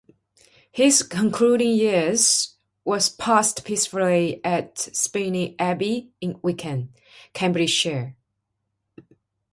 His concluding years were passed peacefully at Spinney Abbey in Wicken, Cambridgeshire.